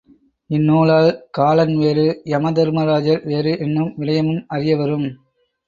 இந் நூலால், காலன் வேறு, யம தருமாஜர் வேறு என்னும் விடயமும் அறியவரும்.